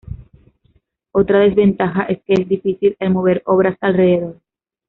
Otra desventaja es que es difícil el mover obras alrededor.